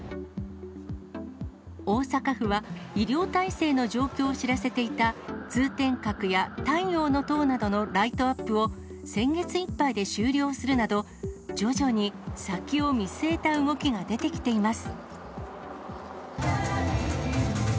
大阪府は医療体制の状況を知らせていた、通天閣や太陽の塔などのライトアップを先月いっぱいで終了するなど、徐々に先を見据えた動きが出てきています。